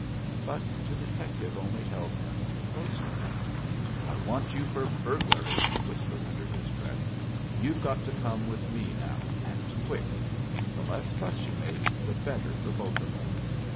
But the detective only held him the closer. "I want you for burglary," he whispered under his breath. "You've got to come with me now, and quick. The less fuss you make, the better for both of us.